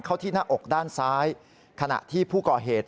ที่หน้าอกด้านซ้ายขณะที่ผู้ก่อเหตุ